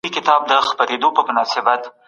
پيغمبر عليه السلام د رحمت بېلګه و.